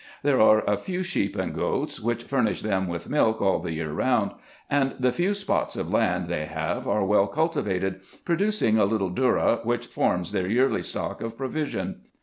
There are a few sheep and goats, which furnish them with milk all the year round ; and the few spots of land they have are well cultivated, producing a little dhourra, which forms their yearly stock of pro vision.